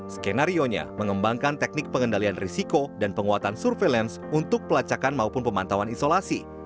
skenario nya mengembangkan teknik pengendalian risiko dan penguatan surveillance untuk pelacakan maupun pemantauan isolasi